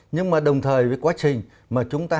nhưng mà đồng thời với quá trình mà chúng ta